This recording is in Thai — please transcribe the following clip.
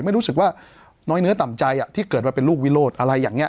ไม่รู้สึกว่าน้อยเนื้อต่ำใจที่เกิดมาเป็นลูกวิโรธอะไรอย่างนี้